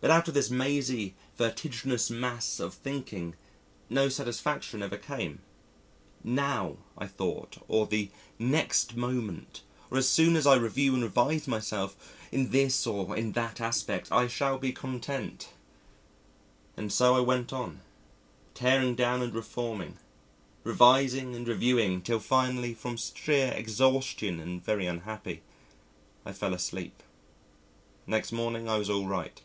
But out of this mazy, vertiginous mass of thinking no satisfaction ever came. Now, I thought or the next moment or as soon as I review and revise myself in this or in that aspect, I shall be content. And so I went on, tearing down and reforming, revising and reviewing, till finally from sheer exhaustion and very unhappy I fell asleep. Next morning I was all right.